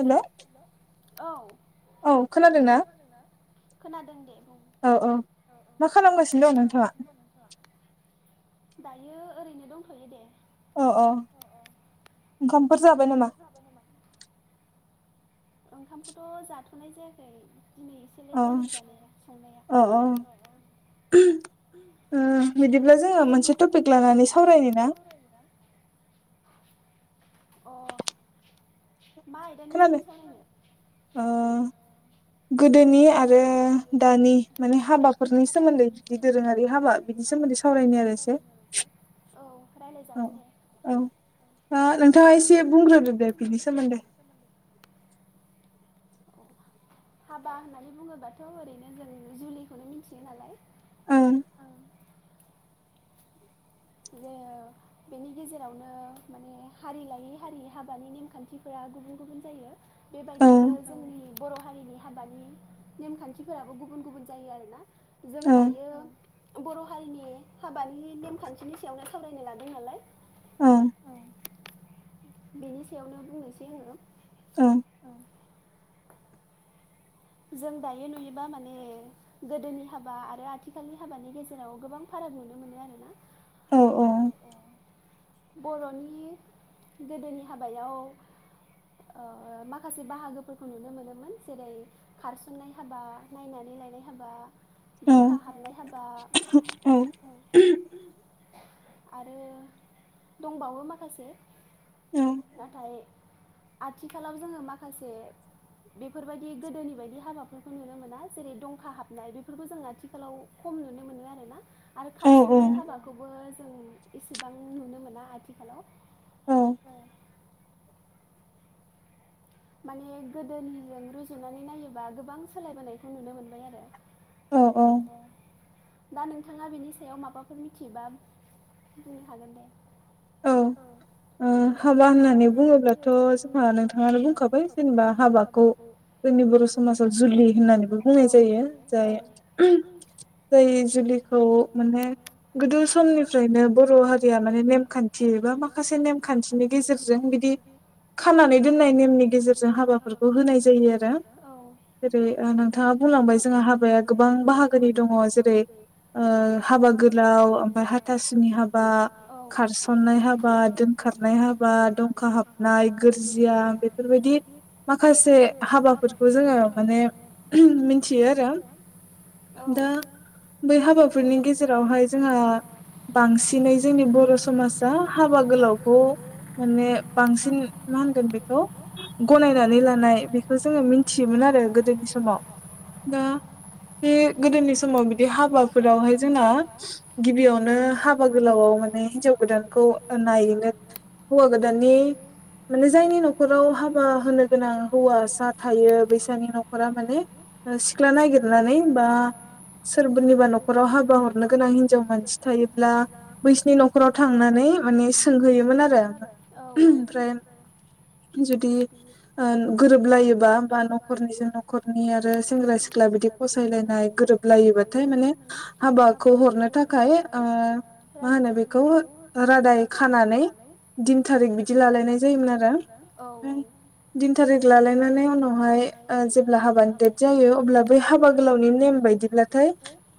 हेल' औ औ खोनादों ना? खोनादों दे बुं औ औ खोनासिनो दं नोंथ। दायो ओरैनो दंथ'यो दे अ औ [inaudible] ओंखामखौथ' जाथ'नाय जायाखै। दिनै एसे लेट जादों जानाय संनाया। [inaudible] बिदिब्ला जोहा मोनसे टपिक लानानै सावरायनो ना? [inaudible] अ मा आयदानि सायाव? ओ गोदोनि आरो दानि माने हाबाफोरनि सोमोन्दै बिदि दोरोङारि हाबा बिनि सोमोन दै सावरायनि आरो एसे औ औ ओ नोंथाङा इसे बुंग्रोदो दे बिनि सोमोन्दै अ हाबा होननानै बुङोबाथ' ओरैनो जों जुलिखौनो मिथियो नालाय ओं जे ओ बेनि गेजेरावनो माने हारि लायै हारि हाबानि नेमखान्थिफोरा गुबुन गुबुन जायो बेबायदिनो जोंनि बर' हारिनि हाबानि नेमखान्थिफोराबो गुबुन गुबुन जायो आरोना। जों दायो बर' हारिनि हाबानि नेम-खान्थिनि सायावनो सावरायनो लादों नालाय औ बेनि सायावनो बुंनोसै आङो औ जों दायो नुयोबा माने गोदोनि हाबा आरो आथिखालनि हाबानि गेजे राव गोबां फाराग नुनो मोनो आरोना। औ औ। बर'नि गोदोनि हाबायाव ओ माखासे बाहागोफोरखौ नुनो मोनोमोन। जेरै खारसननाय हाबा, नायनानै लायनाय हाबा, दंखा हाबनाय हाबा, औ आरो दंबावो माखासे नाथाय आथिखालाव जोङो माखासे बेफोरबायदि गोदोनि बाय दि हाबाफोरखौ नुनो मोना। जेरै- दंखा हाबनाय बेफोरखौ जों आथिखालाव खम नुनो मोनो आरोना। आरो खारसननाय हाबाखौबो जों इसेबां नुनो मोना आथिखालाव औ माने गोदोनिजों रुजुनानै नायोबा गोबां सोलायबोनायखौ नुनो मोनबाय आरो। औ औ। दा नोंथाङा बेनि सायाव माबाफोर मिथियोबा बुंनो हागोन दे। औ ओ हाबा होननानै बुङोब्लाथ' जोंहा नोंथाङानो बुंखाबाय जेनेबा हाबाखौ जोंनि बर' समाजाव जुलि होननानैबो बुंनाय जायो। जाय [inaudible] जाय जुलिखौ मोने गोदो समनिफ्रायनो बर' हारिया माने नेम-खान्थियै बा माखासे नेम-खान्थिनि गेजेरजों बिदि खानानै दोन्नाय नेमनि गेजेरजों हाबाफोरखौ होनाय जायो आरो। जेरै- ओ नोंथाङा बुंलांबाय जोंहा हाबाया गोबां बाहागोनि दङ। जेरै- ओ हाबा गोलाव ओमफ्राय हाथासुनि हाबा खारसन नाय हाबा, दोनखारनाय हाबा, दंखा हाबनाय, गोरजिया बेफोरबायदि माखासे हाबाफोरखौ जोङो माने मिनथियो आरो। दा बै हाबाफोरनि गेजेरावहाय जोंहा बांसिनै जोंनि बर' समाज आ हाबा गोलावखौ माने बांसिन मा होनगोन बे खौ गनायनानै लानाय बेखौ जोङो मिनथियोमोन आरो गोदोनि समाव। दा बे गोदोनि समाव बिदि हाबाफोरावहाय जोंना गिबियावनो हाबा गोलावाव माने हिन्जाव गोदानखौ ओ नायैनो हौवा गोदाननि माने जायनि न'खराव हाबा होनो गोनां हौवासा थायो बैसानि न'खरा माने ओ सिख्ला नागिरनानै बा सोरनिबा न'खराव हाबा हरनो गोनां हिनजाव मानसि थायोब्ला बैसिनि न'खराव थां नानै माने सोंहोयोमोन आरो ओमफ्राय जुदि ओ गोरोबलायोबा बा न'खरनिजों न'खरनि आरो सेंग्रा-सिख्ला बिदि फसायलायनाय गोरोबलायोबाथाय माने हाबाखौ हरनो थाखाय ओ मा होनो बेखौ ओ रादाय खानानै दिन थारिक बिदि लालायनाय जायो आरो। औ औ। दिन थारिेक लालायनानै उनावहाय ओ जेब्ला हाबानि देट जायो अब्ला बै हाबा गोलावनि नेम बायदिब्लाथाय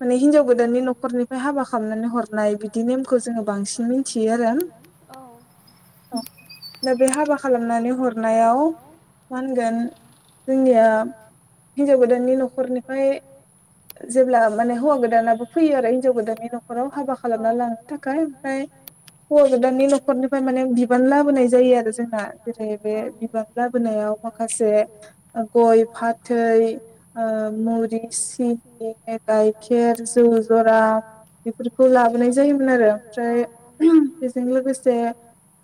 माने हिनजाव गोदाननि नख'रनिफ्राय हाबा खालामनानै हरनाय बिदि नेमखौ जोङो बांसि न‌ मिथियो आरो। दा बे हाबा खालामनानै हरनायाव मा होनगोन जोंनिया हिनजाव गोदाननि नख'रनिफाय जेब्ला माने हौवा गोदानाबो फैयो आरो हिनजाव गोदाननि नख'राव हाबा खालामना लांनो थाखाय ओमफ्राय हौ गोदाननि नख'रनि [inaudible] माने बिबान लाबोनाय जायो आरो जोंना जेरै बे बिबान लाबोनायाव माखासे गइ फाथै ओ मुरि सिनि गाइखेर जौ जरा बेफोरखौ लाबोनाय जायोमोन आरो ओमफ्राय बेजों लोगोसे [unintelligible]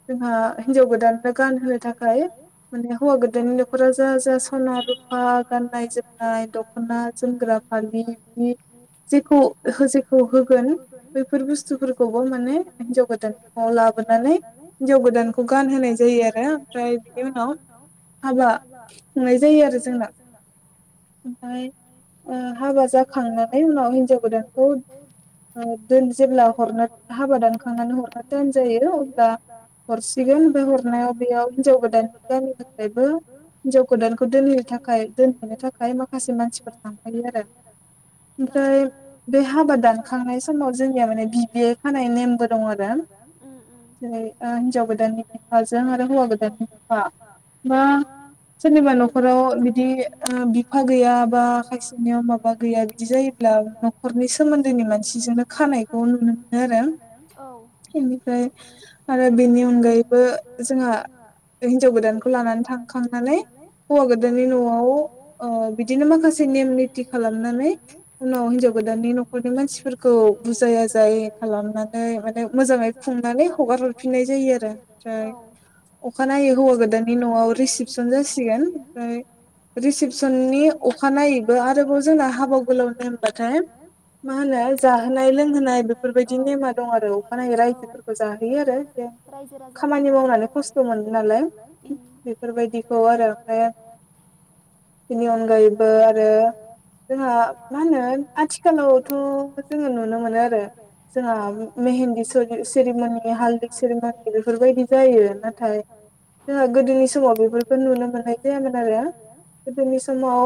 जोंहा हिनजाव गोदाननो गान होनो थाखाय माने हौवा गोदाननि नख'रा जा जा सना रुफा ओ गाननाय जोमनाय दख'ना जोमग्रा फालि [inaudible] जेखौ होगोन बैफोर बुस्थुफोरखौबो माने हिजाव गोदाननि लाबोनानै हिन्जाव गोदानखौ गानहोनाय जायो आरो ओमफ्राय बिनि उनाव हाबा खुंनाय जायो आरो जोंना ओमफ्राय ओ हाबा जाखांनानै उनाव हिनजाव गोदानखौ ओ दोन जेब्ला हरनो हाबा दानखांनानै हरना टाइम जायो अब्ला हरसिगोन बे हरनायाव बेयाव हिनजाव गोदाननि गामिनिफ्रायबो हिनजाव गोदानखौ दोनहै थाखाय दोनफैनो थाखाय माखासे मानसिफोर थांफायो आरो ओमफ्राय बे हाबा दानखांनाय समाव जोंनिया माने बिबाइ खानाय नेमबो दङ आरो जेरै ओ हिनजाव गोदाननि बिफाजों आरो हौवा गोदाननि बिफा बा सोरनिबा नख'राव बिदि ओ बिफा गैया बा खायसेनियाव माबा गैया बिदि जायोब्ला नख'रनि सोमोन्दोनि मानसिजोंनो खानायखौ नुनो मोनो आरो [inaudible] ओमफ्राय आरो बेनि अनगायैबो जोंहा हिनजाव गोदानखौ लानानै थांखांनानै हौवा गोदाननि न'वाव ओ बिदिनो माखासे नेम निटि खालामनानै उनाव हिनजाव गोदाननि नख'रनि मानसिफोरखौ बुजाय जाय खालामनानै माने मोजाङै खुंनानै हगार हरफिननाय जायो आरो ओमफ्राय अखानायै हौवा गोदाननि न'वाव रिसिपसन जासिगोन ओमफ्राय रिसिपसननि अखानायैबो आरोबाव जोंना हाबा गोलाव नेमबाथाय मा होनो जाहोनाय लोंहोनाय बेफोरबायदि नेमा दं आरो अखानायै रायजोफोर आरो रायजो राजाफोरनो खामानि मावनानै खस्थ' मोनो नालाय बेफोरबायदि [inaudible] आरो [inaudible] बेनि अनगायैबो आरो जोंहा मा होनो आथिखालावथ' जोङो नुनो मोनो आरो जोंहा मेहेन्दि सलि सेरि सेरिमनि हालदि सेरिमनि बेफोरबायदि जायो नाथाय जोंहा गोदोनि समाव बे नुनो मोननाय जायामोन आरो गोदोनि समाव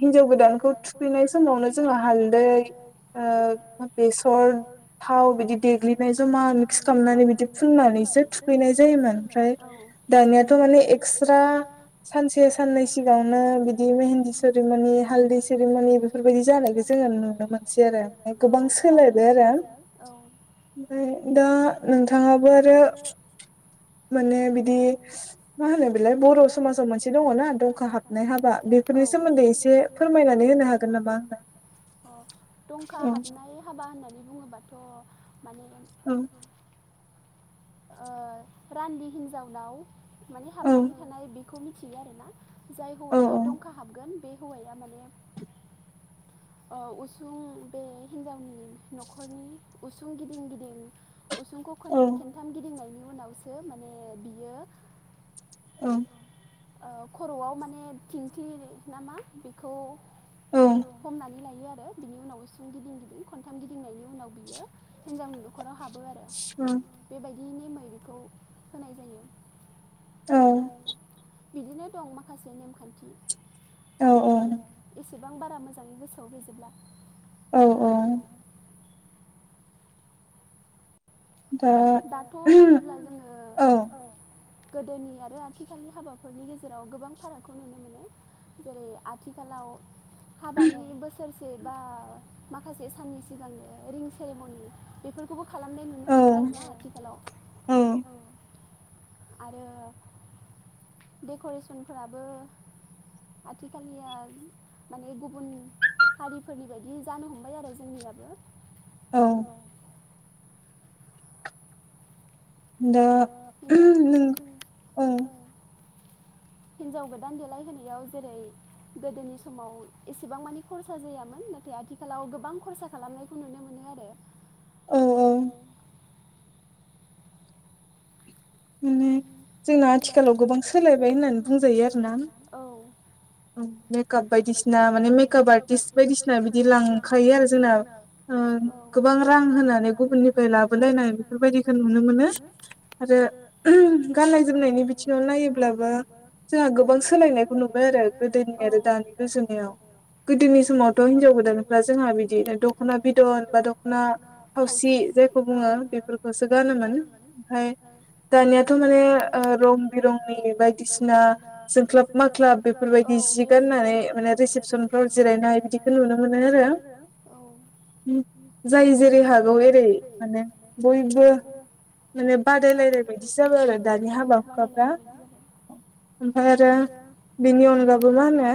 हिनजाव गोदानखौ थुखैनाय समावनो जों हालदै ओ बेसर थाव बिदि देग्लिनाय जमा मिक्स खालामनानै बिदि फुननानैसो थुखैनाय जायोमोन ओमफ्राय दानियाथ' माने एस्ट्रा सानसे साननै सिगाङनो बिदि मेहेन्दि सेरिमनि हालदि सेरिमनि बेफोरबायदि जानायखौ जोङो नुनो मोनसै आरो गोबां सोलायबाय आरो औ ओमफ्राय दा नोंथाङाबो आरो माने बिदि मा होनो बेलाय बर' समाजाव मोनसे दङना दंखा हाबनाय हाबा बेफोरनि सोमोन्दै एसे फोरमायनानै होनो हागोन नामा आंनो अ दंखा हाबनाय हाबा होननानै बुङोबाथ' माने औ रान्दि हिन्जावनाव माने हाबनानै थानाय बे मिथियो आरोना जाय हौवाया दंखा हाबगोन बे हौवाया माने उसुं बे हिन्जावनि न'खरनि उसुं गिदिं गिदिं उसुंखौ खनथाम गिदिंनायनि उनावसो माने बियो औ खर'आव माने थिंख ना मा बेखौ हमनानै लायो आरो बिनि उनावुं गिदिं गिदिं खनथाम गिदिंनायनि उनाव बियो हिनजावनि नख'राव हा हाबो आरो बेबायदि नेमै बेखौ होनाय जायो। औ बिदिनो दं माखासे नेमखान्थि। आंङो एसेबां बारा मोजांङै गोसोआव गैजोबला। औ-औ। दाथ' नायोब्ला जोंङो औ। गोदोनि आरो आथिखालनि हाबाफोरनि गेजेराव गोबां फारागखौ नुनो मोनो जेरै- आथिखालाव हाबानि बोसोर से एबा माखासे साननि सिगांनो रिं सेरेमनि बेफोरखौबो खालामनाय नुनो ना आथिखालाव आरो डेक'रेसनफोराबो आथिखलिया माने गुबुन हारिफोरनि बायदि जानो हमबाय आरो जोंनियाबो औ। [unintelligible] [unintelligible] हिनजाव गोदान देलायहोनायाव जेरै- गोदोनि समाव एसेबां मानि खरसा जायामोन ना थाय आथिखालाव गोबां खरसा खालामनायखौ नुनो मोनो आरो। औ-औ। माने जोंना आथिखालाव गोबां सोलायबाय होननानै बुंजायो आरोना। मेकआप बायदिसिना माने मेकआप आर्टिस्ट बायदिसिना बिदि लांखायो आरो जोंना। ओं गोबां रां होनानै गुबुननिफ्राय लाबोनायनाय बेफोरबायदिखौ नुनो मोनो आरो गाननाय जोमनायनि बिथिंङाव नायोब्लाबो जोंहा गोबां सोलायनायखौ नुबाय आरो गोदोनि आरो दानि रुजुनायाव। गोदोनि समावथ' हिनजाव गोदानफ्रा जोंहा बिदि दख'ना बिदन बा दख'ना थावसि जे जायखौ बुङो बेफोरखौसो गानोमोन ओमफाय दानियाथ' माने ओ रं बिरंनि बायदिसिना जोंख्लाब माख्लाब बेफोरबायदि जि दि बायदि जनानै मे रिसिपसन फोर जिरायनाय बिदिखौ नुनो मोनो आरो औ। जाय जेरै- हागौ एरै माने बयबो। माने बादायलायनाय बायदि जाबाय आरो दानि हाबा हुखाफ्रा। ओमफाय आरो बेनि अनगाबो मा होनो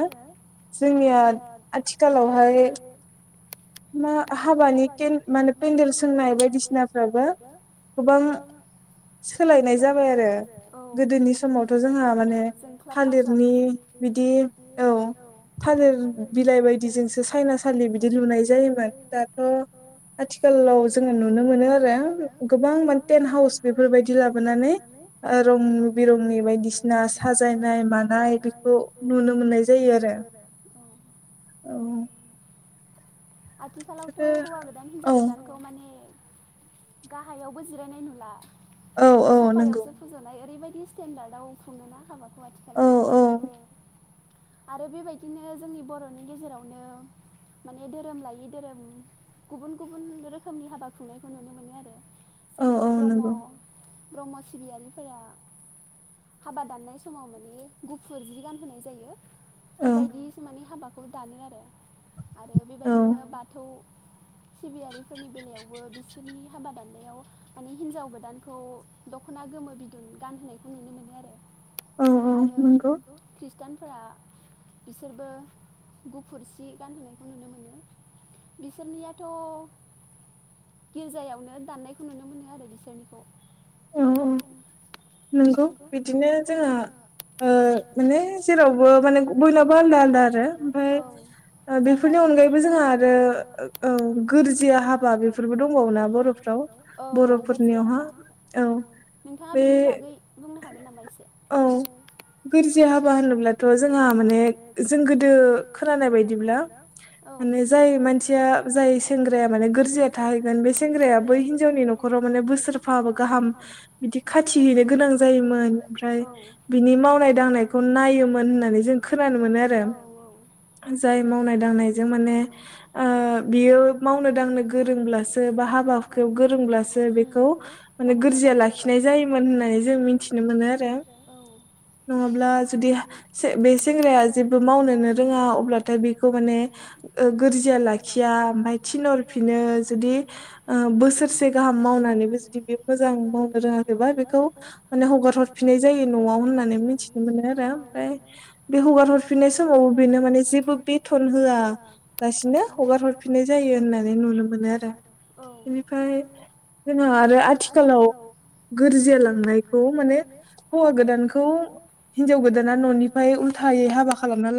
जोंनिया आथिखालावहाय मा हाबानि केन माने पेन्देल सोंनाय बायदिसिनाफ्राबो। गोबां सोलाय सोलायनाय जाबाय आरो औ गोदोनि समावथ' जोंहा जोंख्लाब माख्लाबरनि बि औ थालिर बिलाइ बायदिजोंसो साइनासालि बिदि लुनाय जायोमोन दाथ' आथिखालाव जोंङो नुनो मोनो आरो गोबां माने टेन्ट हाउस बेफोरबाय दि लाबोनानै ओ रं बिरंनि बायदिसिना साजायनाय मानाय बेखौ नुनो मोननाय जायो आरो औ। आथिखालावथ' हौवा गोदान हिनजाव गोदानखौ माने गाहायावबो जिरायनाय नुला सफायावसो फोज'नाय ओरैबायदि स्टेन्डार्डआव खुंङोना हाबाखौ आथिखालाव औ-औ। आरो बेबायदिनो जोंनि बर'नि गेजेरावनो माने धो रोम लायै धोरोम गुबुन गुबुन रोखोमनि हाबा खुंनायखौ नुनो मोनो आरो। जेरै ब्रह्म-ब्रह्म सिबियारिफोरा। हाबा दाननाय समाव माने गुफुर जि गानहोनाय जायो। बेबायदिसो माने हाबाखौ दानो आरो आरो बेबायदिनो बाथौ [unintelligible] सिबियारिफोरनि बेलायावबो बिसोरनि हाबा दान्नायाव माने हिनजाव गोदानखौ दख'न गोमो बिदुन गानहायखौ नुनो मोनो आरो आरो ख्रि गानफोरा बिसोरबो गुफुरसि गानहोनायखौ नुनो मोनो बिसोरनियाथ' गिर्जायावनो दाननायखौ नुनो मोनो आरो बिसोरनिखौ औ औ नंगौ बिदिनो जोङो ओ माने जेरावबो माने बयनावबो आलदा आलदा आरो ओमफफ्राय बेफोरनि अनगायैबो जोंहा आरो आरो औ गोरजिया हाबा बेफोरबो दंबावोना बर'फ्राव बर'फोरनियावहा नोंथाङा बेनि बागै बुंनो हागोन नामा एसे औ बिरजि हाबा होनोब्लाथ' जोंहा माने जों गोदो खोनानाय बायदिबा औ जाय मानसिया जाय सेंग्राया माने गोरजिया थाहैगोन बे सेंग्राया बै हिनजावनि न'खराव माने सफाब गाहाम बि बि खाथि हैैनो गोनां जायोमोन ओमफ्राय बिनि मावनाय दांनायखौ नायोमोन होननानै जों खोन खोनानो मोनो औ औ जाय मावनाय दांनायजों म ओ बियो मावनो दांनो गोरोंब्लासो बा हाबाखौ गोरोंब्लासो बेखौ मे गोरजिया लाखिनाय जायोमोन होननानै जों मिथिनो मोनो आरो नङाब्ला जुदि बे सेंग्राया जेबो मावनोनो रोङा अब्लाथाय बेखौ माने [unintelligible] [inaudible] गोरजिया लाखिया ओमफ्राय थिनहरफिनो जुदि बोसोरसे गाहाम मावनानै जुदि बे मोजां मावनो रोङाखैबा बेखौ माने हगार हरफिनाय जायो न'आव होननानै मिथि मोन आरो मफ्राय बे हगार हरफिननाय समावबो बेनो माने जेबो बेथल होआ दसिनो हगार हरफिननाय जायो होननानै नुनो मोनो आरो औ मफ्राय जोंहा आरो आथिखालाव गोरजिया लांनायखौ माने खम हो गोदानखौ हिनजाव गोदाना न'निफ्राय उल्थायायै हाबा खालामना ला